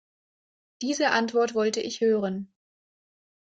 Diese Antwort wollte ich hören.